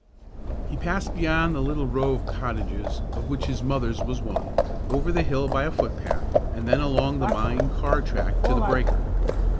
He passed beyond the little row of cottages, of which his mother's was one, over the hill by a foot path, and then along the mine car track to the breaker.